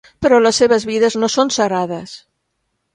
Però les seves vides no són sagrades.